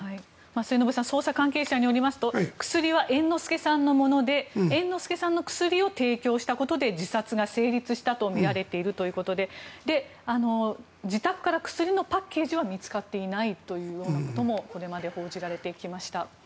末延さん捜査関係者によりますと薬は猿之助さんのもので猿之助さんの薬を提供したことで自殺が成立したとみられているということで自宅から薬のパッケージは見つかっていないということもこれまで報じられてきました。